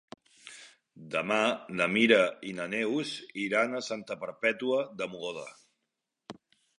Demà na Mira i na Neus iran a Santa Perpètua de Mogoda.